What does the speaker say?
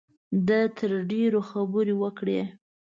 ده تر ډېرو خبرې وکړې.